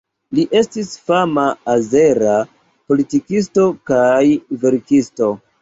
Li estis fama azera politikisto kaj verkisto.